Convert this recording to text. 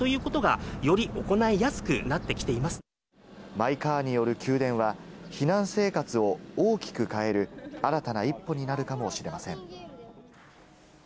マイカーによる給電は避難生活を大きく変える新たな一歩になるかもしれません。